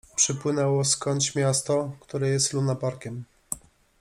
Przypłynęło skądś miasto, które jest lunaparkiem.